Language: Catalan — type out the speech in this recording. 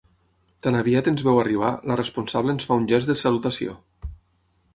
Tan aviat ens veu arribar, la responsable ens fa un gest de salutació.